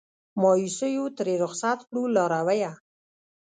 مایوسیو ترې رخصت کړو لارویه